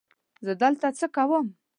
زه دلته څه کوم؟